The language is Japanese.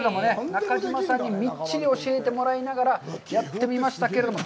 中島さんにみっちり教えてもらいながらやってみましたけれども。